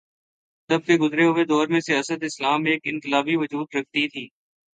تب کے گزرے ہوئے دور میں ریاست اسلام ایک انقلابی وجود رکھتی تھی۔